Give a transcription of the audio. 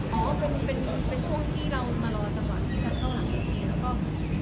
อ๋อเป็นเป็นเป็นเป็นช่วงที่เรามารอจับจับเข้าหลังแล้วก็อ่า